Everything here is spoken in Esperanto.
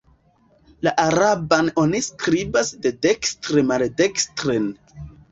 La araban oni skribas de dekstre maldekstren.